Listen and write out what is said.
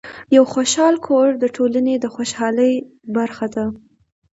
یو خوشحال کور د ټولنې د خوشحالۍ برخه ده.